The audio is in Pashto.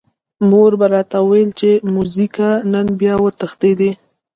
مور به راته ویل چې موزیګیه نن بیا وتښتېدې.